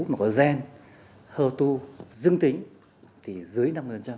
mà có gen hơ tu dương tính thì dưới năm mươi